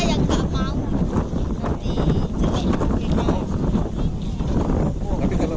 ada yang tidak mau